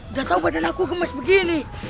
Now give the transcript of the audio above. udah tahu badan aku gemes begini